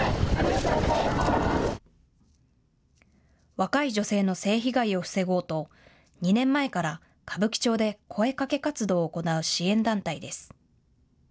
若い女性の性被害を防ごうと２年前から歌舞伎町で声かけ活動を行う支援団体です。